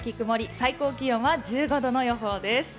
最高気温は１５度の予報です。